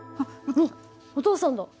わっお父さんだ。